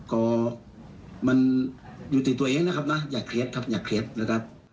ก็มันอยู่ในตัวเองนะครับนะอย่าเครียดครับอย่าเครียดนะครับ